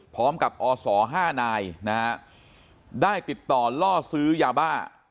ออส๕นายนะฮะได้ติดต่อล่อซื้อยาบ้า